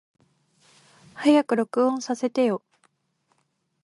早く録音させてよ。